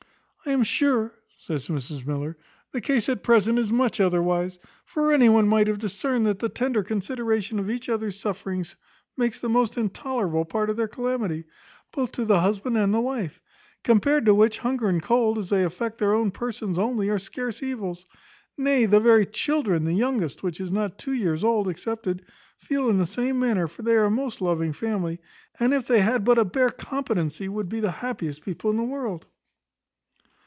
"I am sure," says Mrs Miller, "the case at present is much otherwise; for any one might have discerned that the tender consideration of each other's sufferings makes the most intolerable part of their calamity, both to the husband and wife. Compared to which, hunger and cold, as they affect their own persons only, are scarce evils. Nay, the very children, the youngest, which is not two years old, excepted, feel in the same manner; for they are a most loving family, and, if they had but a bare competency, would be the happiest people in the world."